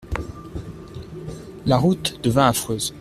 La route devint affreuse.